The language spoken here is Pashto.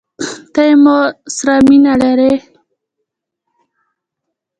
ته يې مو سره مينه لرې؟